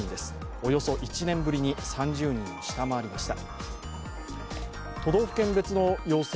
およそ１年ぶりに３０人を下回りました。